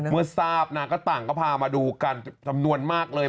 เมื่อทราบนะก็ต่างก็พามาดูกันจำนวนมากเลย